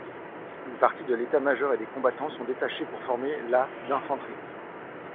Une partie de l'état major et des combattants sont détachés pour former la d'infanterie.